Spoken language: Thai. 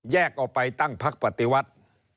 แยกออกไปตั้งภักดิ์ประติวัติ